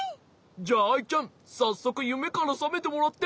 じゃあアイちゃんさっそくゆめからさめてもらって。